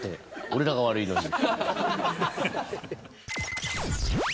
俺らが悪いのに。